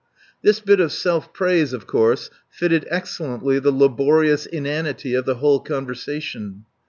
This bit of self praise, of course, fitted excellently the laborious inanity of the whole conversation.